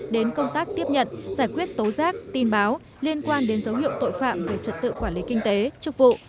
đến công tác tiếp nhận giải quyết tố giác tin báo liên quan đến dấu hiệu tội phạm về trật tự quản lý kinh tế chức vụ